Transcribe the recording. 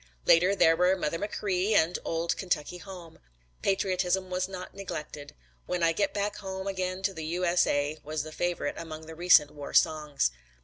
Later there were "Mother Machree" and "Old Kentucky Home." Patriotism was not neglected. "When I Get Back Home Again to the U.S.A." was the favorite among the recent war songs.